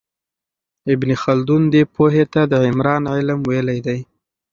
ابن خلدون دې پوهې ته د عمران علم ویلی دی.